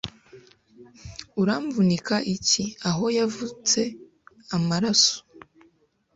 Uramvunika iki aho yavutse amaraso